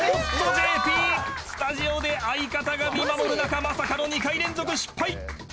ＪＰスタジオで相方が見守る中まさかの２回連続失敗！］